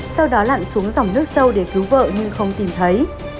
sau đó lặn xuống dòng nước sâu để cứu vợ nhưng không tìm thấy